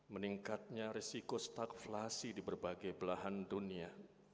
meningkatnya risiko stagflasi di berbagai belahan dunia